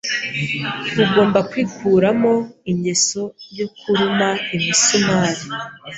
Ugomba kwikuramo ingeso yo kuruma imisumari.